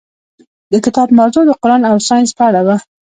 د کتاب موضوع د قرآن او ساینس په اړه وه.